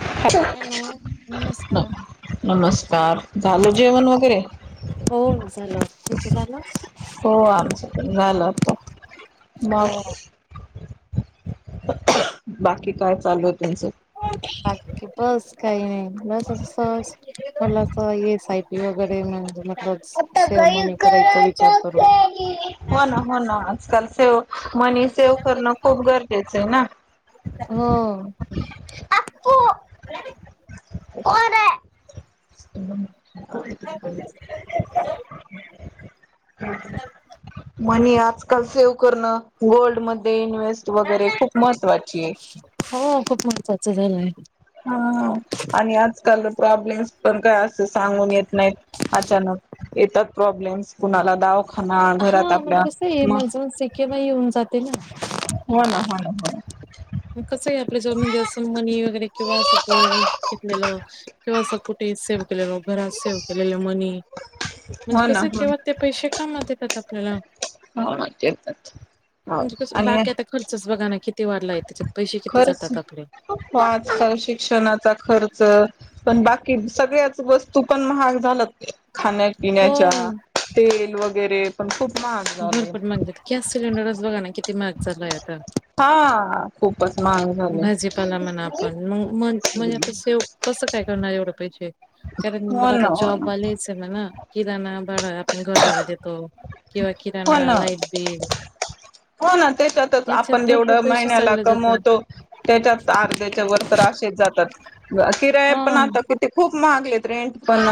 Hello नमस्कार. नमस्कार झाल जेवण वगैरे हो झालं तुमचं झालं? हो आमचं पण झालं आताच. मग हो बाकी काय चालू आहे तुमचं? बाकी बस काही नाही म तसं सहज. [unintelligible] ये साहेब योगडे [unintelligible] हो ना हो ना आजकाल ठेव मनी सेव करणं खूप गरजेचं आहे ना. हो कोण आहे? [inaudible] [unintelligible] मनी आजकाल सेव्ह करणं गोल्डमध्ये इन्व्हे स्ट वगैरे खूप महत्वाची आहे. च झालंय. हां आणि आजकाल प्रॉब्लेम्स पण काय अस अस सांगून येत नाहीत अचानक. येतात प्रॉब्लेम्स कुणाला दाव हां म्हणजे, कसंये इमर्जन्सी केव्हाही येऊन जा हो ना हो ना हो ना. कसं आहे आपल्या जवळ म्हणजे असं मनी वगैरे किंवा असं ना गोल्ड घेतलेलं किंवा असं कुठे सेव केलेलं घरात सेव्ह केलेलं. मनी म्हणजे हो ना कसं हो किंवा ते ना पैसे कामात येतात आपल्याला. हो ना येतात हो म्हणजे कसं बाकी आता खर्चच बघा ना किती वाढलाय? त्याच्यात पैसे किती खर्च जातात आपले. हो आजकाल शिक्षणाचा खर्च पण बा की सगळ्याच व स्तू पण महाग झाल्यात. खाण्यापिण्याच्या हो. ते वगैरे पण खूप महाग झाले भरपूर म्हणजे गॅस सिलेंडरच बघा ना किती महाग झालाय आता. हा खूपच महाग झाले भाजीपाला म्हणा आपण मग म म्हणजे आता सेव कसं काय करणार एवढं पैसे? कारण हो बघा ना आता हो ना जॉबवालेच म्हणा किराणा [unintelligible] घर भाडं देतो किंवा हो किराणा, ना लाईट बिल हो ना त्याच्यातच याच्यात आपण भरपूर जेवढं पैसे महिन्याला चालले जातं. कमवतो त्याच्यात अर्ध्याच्या वर तर असेच जातात [unintelligible] किराया हा पण आता किती खूप महागलेत. रेंट पण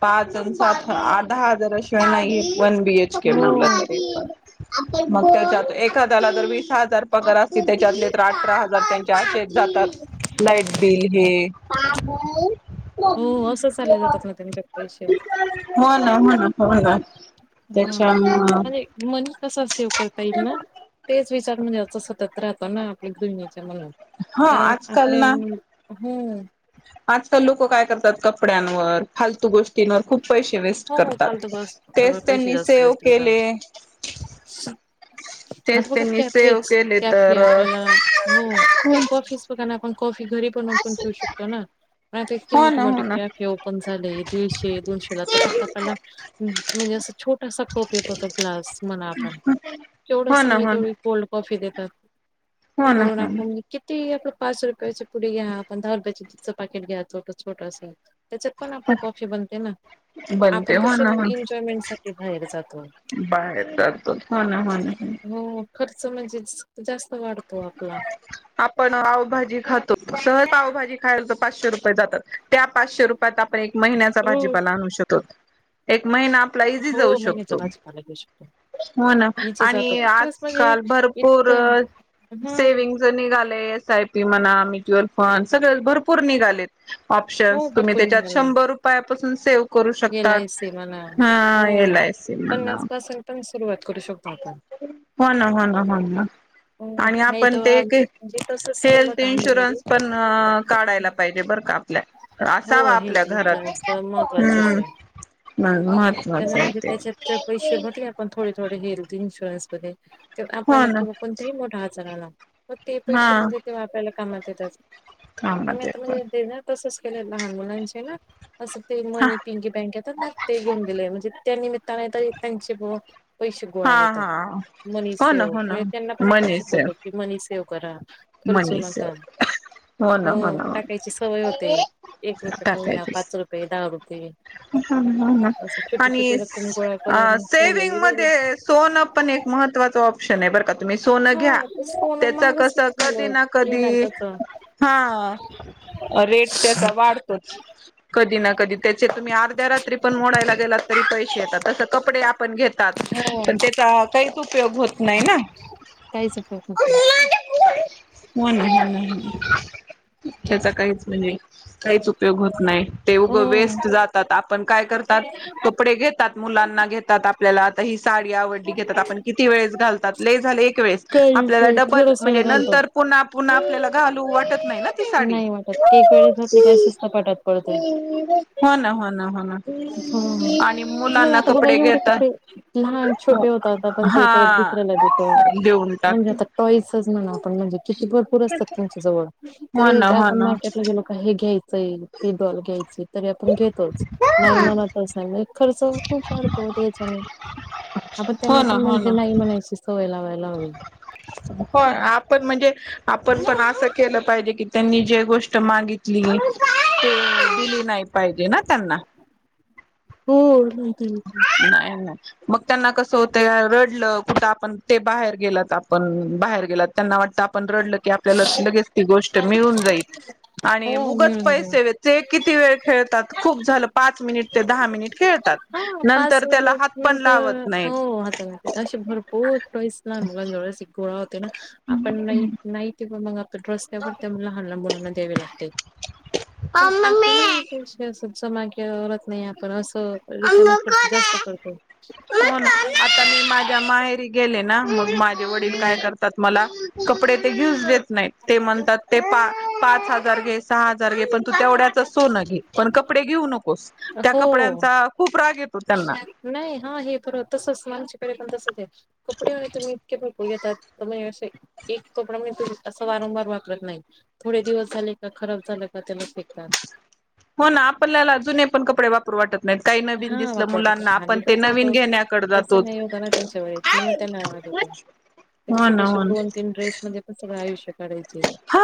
पाच अन सात दहा हजार अ [unintelligible] नाही. वन बी एच के हो. म्हटलं तरी पण. मग त्याच्यात एखाद्याला जर वीस हजार पगार अस ति त्याच्यातले तर अठरा हजार त्यांचे आशेच च जातात, लाईट बिल हे हो असं चालले जातात ना त्यांच्यात पैसे. हो ना हो. ना हो ना. ह त्याच्यामुळं आणि मनी कस सेव्ह करता येइल, ना तेच विचार म्हणजे अस सतत राहतो ना आपण म्हण हा कारण आजकाल आपले ना हम्म आजकाल लोक काय करतात कपड्यांवर फालतू गोष्टींवर खूप पैसे वेस्ट हो करतात. फालतू तेच पैसे त्यांनी जास्त सेव वेस्ट केले करतात. आता तेच बघा त्यांनी सेव कॅफेच केले कॅफे तर आपल्याला हो कॉफी चं बघा ना आपण कॉफी घरी बनवून पण पेऊ शकतो ना पण आता इतके हो मोठे ना हो मोठे ना कॅफे ओपन झाले दीडशे दोनशे ला तर फक्त म्हणजे अस छोटसा कप येत हो तो ग्लास मला आपण हो तेवढस ना म्हणजे हो ना तेवढी कोल्ड कॉफी कॉफी देतात हो ना कोण हो आपण ना किती पाच रुपयाची पुडी घ्या पंधरा दहा रुपया चे दूधचं पॅकेट घ्या छोटं असं त्याच्यात पण आपली कॉफी बनते ना बनते आपण हो कसे ना म्हणजे होन एन्जॉयमेंट साठी बाहेर जातो बाहेर चालतो हो ना हो ना हो खर्च म्हणजे जास्त वाढतो आपला आपण पावभाजी खातो सहज पावाजी खायला तर पाचशे रुपये जात त्या पाचशे रुपय आपण एक महिन्याचा हो भाजीपाला आणू शकतोत एक महिना आपला इझी हो जाऊ महिन्याचा शकतो भाजीपाला घेऊ शकतो हो ना इझी जातो आणि खरंच म्हणजे आजकाल भरपूर इतकं हा सेविंग् निघाल एस आय पी म्हणा म्युच्युअल फंड सगळे भरपूर निघाले हो ऑप्शनस तुम्ही भरपूर त्याच्यात निघाले शंभर रुपय पसून करू एल शकतात आय सी म्हणा हा हो एल आय सी मला पन्नास पासून पण सुरुवात करू शकतो आपण हो ना हो ना हो हो आणि नाही आपण तर ते म्हणजे तसच केलं हेल्थ होत आम्ही इन्शुरनस पण मध्ये काढायला पाहिजे बर का आपल्या हो असावा आपल्या घरात् त्या म्हणजे ते त्याच्यात पैसे भरले आपण थोडे थोडे हिरू इनशुरन्समध्ये हो आपल्याला ना किंवा कोणत्याही मोठा आजार आला मग ते पैसे हा म्हणजे तेव्हा आपल्याला कामाला तिथच कामात आम्ही आता येतात म्हणजे देणार तसच खे लहान मुलांचे ना असं ते हा मण बँक ना ते घेवुन दिलय म्हणजे त्या निमित्ताने तर त्यांचे बो.. पैसे गोळा हा होतात हा हो ना मनीसेव हो ना म्हणजे त्यांना पण आपण मनी सेव शिकवतो की मनीसेव.. करा. खर्चू मनी नका सेव हो टाकायची सवय होते. एक रुपये का होईना टाकायचीस पाच रुपये दहा रुपये... असं छोटी आणि छोटी रक्कम गोळा करून सेविंग ठेवलेली बरी. मध्ये सोन पण एक महत्त्वाच वाप.. ऑप्शन आहे का? तुम्ही सोन हा घ्या ते सोनं त्याच महागच कस किती कधी झालं घेणार त्याच. कधी कधी कधी.. तुम्ही अर्ध्या रात्री पण मोडायला गेला तरी पैसे येतात अस कपडे आपण घेतात हो पण त्याचा काहीच उपयोग होत नाही ना... काहीच उपयोग होत हो नाही. हो ना... [unintelligible] ह्याचा काहीच म्हणजे काहीच उपयोग होत नाही. ते उगं वेस.. हो जातात आप.. पण काय कर.. तात. कपडे घेत... मुलांना घेतात आपल्याला आता हिच... साडी आवडली घेतात, आपण किती वेळेस घालतो. त्यात लय झाले. काहीच आपल्याला नाही डबल थोडाच वेळ म्हणजे घालतो. नंतर पुन्हा... पुन्हा आपल्याला घालू वाटत नाही ना ती साडी. नाही वाटतं ते एक वेळेस घातली का अ शिस्त पटात पडते. न हो ना हो ना... हा आणि तेच मगं मुलांना आता बघा कपडे एवढे कपडे घेतात लहान छोटे होतात, आपण ते परत हा दुसऱ्याला देतो, देऊन टाक म्हणजे आता टॉईसच म्हणावं. आपण म्हणजे. किती भरपूर असतात तुमच्या जवळ हो तरी ना हो आपण ना मार्केटला गेलो का हे घ्यायचं. ती डॉल घ्यायची तरी आपण घेतोचं. हो खूप रडतो त्याच्याने आपण त्यांना पण म्हणजे नाही म्हणायची सोय. होय लावतो. होय आपण म्हणजे... आपण पण असं केलं पाहिजे की त्यांनी जी गोष्ट मागितली, ती दिली नाही पाहिजे ना त्यांना... हो. नाही नाही. मग त्यांना कसं होतं, रडलं कुठं आपण ते बाहेर गेलात, आपण बाहेर गेलात, त्यांना वाटत- रडलं की आपल्याला लगेच ती गोष्ट मिळून जाईल आणि हो उगाच मिळून जाईल पैसे द्यायचे किती वेळ खेळतात. खूप झालं. पाच मिनिट ते दहा मिनिटं खेळ. हा पाच मिनिट नंतर, नाहीत हो आता असे भरपूर टाॅईस लहान मुलांजवळ आशी गोळा होतात. ना आपण नाही नाही [unintelligible] मग. रस्त्यावर त्या लहान लहान मुलांना द्यावे लागते. आपली. [unintelligible] असं मागे रडत नाही, आपण असं अ रिकामेट करतो जास्त करतो. आता मी माझ्या माहेरी गेले ना मग माझे वडील काय हम्म. करतात मला. कपडे ते घेऊच देत- नाही ते म्हणतात, ते पा- पाच हजार घे सहा हजार घे पणं तू तेवढ्याच सोन घे, पण कपडे घेऊ नको. त्या हो कपड्यांचा. फ्रॉक घे. नाही हा हे परत तसं असेना म्हणजे. पण तस कपडे व तुम् इतके त येतात म्हणजे अस एक कपडा म्हणज तू असं वारंवार वापरत नाही थोडे दिवस झाले का खराब झालं का त्याला फेकतात हो ना आपल्यागत पण कपडे वापर वाटत नाहीत काही नवीन हा दिसलं वापरत मुलांना आ आपण ते कसं नवीन होत घेण्याकडे जातो कसं नाही होतं ना त्यांच्या वेळेस म्हणून त्यांना आवाड होत ते हो कसं ना होत हो ना दोन तीन ड्रेस मध्ये पण सगळं आयुष्य काढायचे हा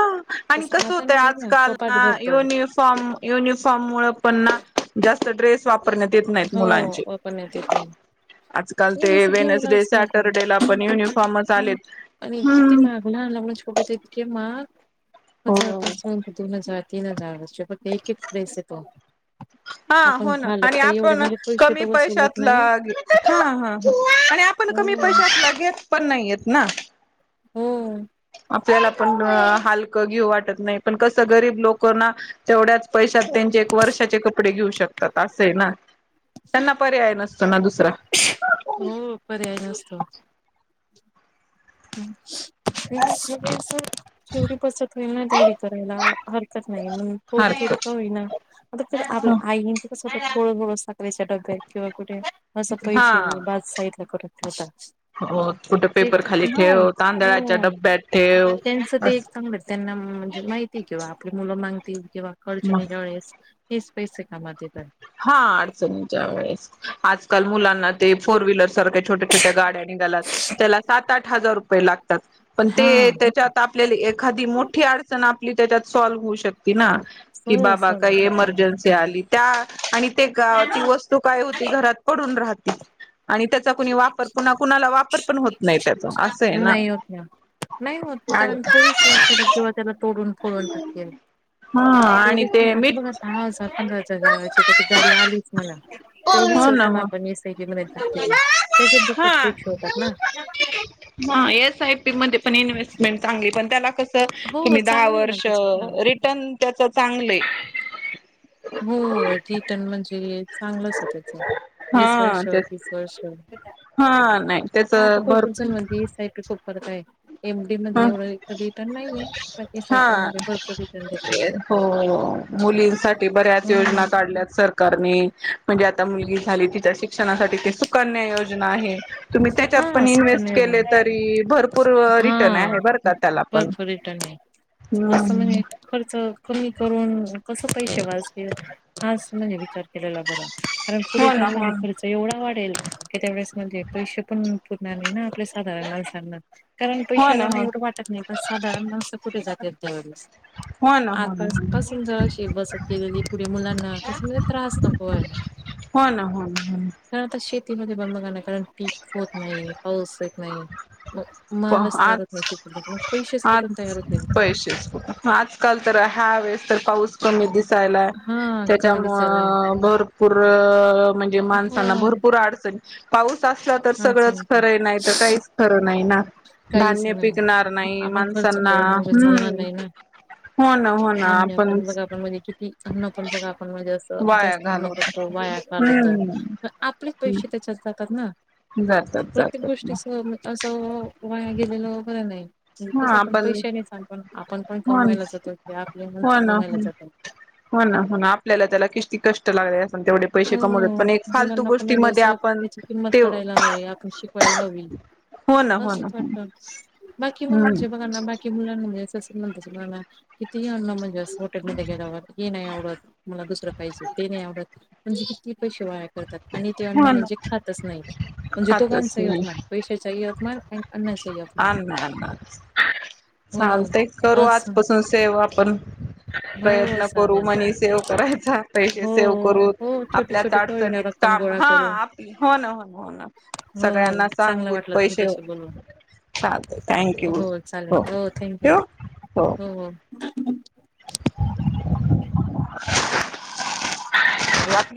आणि तसं कसं आता होतंय नाहीये ना आजकाल कपाट भरतो युनिफॉर्म युनिफॉर्म मु पण ना जास्त ड्रेस वापरण्यात येत नाहीत मुलांचे हो पण नाही तेत नाही आजकाल म ते जसं वेनसडे घ्यायलाच नको सॅटरडेला पण युनिफॉर्मच आलेत आणि किती हम्म माग लहान लगून छोपे इतके माग हो हजारपासून दोन हजार तीन हजार वर्सचे पण ते एकेसे त हा हो ना आणि आपण म्हणजे पैसे कमी तर वसूल होत पैशात नाही आणि आपण हो कमी पैशातेतघेत पण नाहीेत ना हम आपल्याला पण हलकं घेऊ वाटत नाही पण कसं गरीब लोक ना तेवढ्याच पैशात त्यांचे एक वर्षाचे कपडे घेऊ शकतात असं आहे ना त्यांना पर्याय नसतो ना दुसरा. हो पर्याय हम् [unintelligible] जेवढी बसत होईल ना तेवढी करायला हरकत नाही म्हणून थोड, थोड का हरकत होईना आता आपल्या आई तस. तहोळ होळ [unintelligible] साकळीचा ड ब्या किंवा गुठे असं पैसे हा बाद साईडला करून ठवतात हो कुठे पेपर तेच. खाली हो ठेव तांदळाच्या हो डब्यात ठेव. ह म्हणजे माहिती किंवा आपली मुलं मागतील. किंवा मग अडचणीच्यावेळेस. तीस पैसे कापते [unintelligible] हा अडचणीच्या वेळेस. आजकाल मुलांना ते. फोर व्हीलर सारख्या छोट्या, छोट्या गाड्या निघाल्यात त्याला सात आठ. हजार रुपये लागतात. तात पण हा ते त्याच्यात आपल्याली एखादी मोठी अडचण आप [unintelligible] त्यात सॉल्व हो शकते ना की हो बाबा सोडू काय शकते एमर्जन्सी आली. त्या. आणि. ते का ती वस्तू काय होती घरात पडून राह आणि त्याचा कुणी वापर कन्हा कुणाला वापर पण होत, नाही त्याचा असं आहे ना. नाही होत ना नाही होत ओढून टाक्यात हा आणि तेवढीच ते नाही आता मीठ बघा दहा हजार पंधरा हजाराची तर ती गाडी आलीच मला तेवढच हो ना रक्कम हो आपण एस आय पी मध्ये [unintelligible] टाककील. हा एस आय पी मदे पण इन्व्हेस्टमेंट चली पण त्याला कस हो [unintelligible] दाह चांगलं आहे ना वर्ष त्याच्यात पण रिटर्न तर त चांगले. हू रिटर्न म्हणजे चांगलंच आहे त्याच वीस हा वर्ष, तेच तीस वर्ष. हा नाही त्याच भर करताय [unintelligible] ह पण एस आय हा पी मध्ये भरपूर रिटर्न देत आहे. हो मुलींसाठी. बऱ्याच हम्म योजना काढल्या सर कारनी म्हणजे आता मुगी झाली तिच्या शिक्षणासाठी. सुकन्या योजना आहे, तुमी त्याच्यात हा पण इन्व्हेस्ट सुकन्या योजना. केलेतरी भरपूर री हा भरपर रिटर्न आहे असं म्हणजे हम्म खर्च कमी करून कस पैसे वाचतील आज म्हजे विचार केला बर कारण पुढे हो ना जाऊन हो म्हणजे ना खर्च एवढा वाट त्या वेळेस म्हणजे पैसे पण पुरणार नाही ना आपले साधारण माणसांना. कारण हो ना पैशाला हो नाही एवढं वाटत नाही पण साधारण माणसं कुठे जात तर त्या वेळीस हो ना हो ना आतापासून जर अशी बसत गेलेली पुढ मुलांना कस त्रास नको व्हायला. हो ना हो ना आता शेतीमध्ये बंद बघाणार कारण पीक होत नाही पाऊस येत नाही. मग मालच तयार आज होत नाही शेतीला मग पैसेच आज कुठून तयार होतील पैसे आजकाल तर ह्या वेळेस तर पाऊस कमी दिस. यला हा कमी दिसायलाय. त्याच्यामु भरपूर म्हणजे हो माणसांना भरपूर अडचण पाऊस असला तर सगळंच अडचणीत खरं नाही तर काहीच खरं नाही ना. काहीच धान्य पिकणार नाही आपण खर्च माणसांना करून चालणार हम्म नय ना, हो ना हो ना धान्य आपण पण बघा आपण म्हणजे किती अन्न पण बघा आपण म्हणजे असं वाया जास्त अन्न घालवतो करतो वाया कालवतो हम्म. आपले पैसे त्याच्यात ना. जातात जातातात ना तो वाया गेलेलं बर नाही. हा कसाय पण आपण पैशे नेचाल पण आपण पण हो कमवायलाच जातोय किंवा आपले माणस हो ना हो. कमायलाच जातायत ष्ट लागलेले असतील हो हो मुलांना पण गोष्टीमध्ये जस आपण त्याची किंमत ते कळायला हो हवी आपण शिकवायला हवी ना हो ना असंच हो वाटत बाकी हम्म म्हणजे बघाना बाकी मुलांमुळे जस नंतरच बघाणा कितीही अन्न म्हणजे अस हॉटेल मध्ये गेल्यावर हे नाही आवडत मला दुसरं खायचय ते नाही आवडत. म्हणजे किती पैसे वाया करतात आणि ते अन्न हो ना म्हणजे खातच नाही म्हणजे दोघांचाही अपमान पैशाचाही अपमान आणि अन्नाचाही अपमान आण्णा आणा हो चालतय करू असं आजपासून सेवा पण हो प्रयत्न करू चालेल मनी सेव्ह करायचा था पैसे हो सेव्ह करूत हो हो छोटी आपल्यात छोटी का होईना अडचणीत रक्कम काम गोळा हा करू आपली हो ना हो ना हो ना हो ना हो सगळ्यांना चांगलं सांगूत वाटलं पैसे तुमच्याशी बोलून थँक यू हो ठेवू हो हन